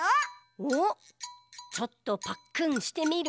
おっちょっとパックンしてみる？